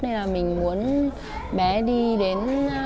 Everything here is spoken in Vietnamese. nên là mình muốn bé đi đến